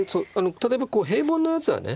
例えばこう平凡なやつはね